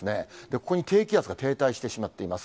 ここに低気圧が停滞してしまっています。